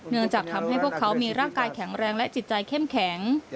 จากทำให้พวกเขามีร่างกายแข็งแรงและจิตใจเข้มแข็ง